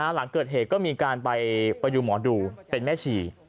หลังเกิดเหตุก็มีการไปดูหมอดูเป็นแม่ชี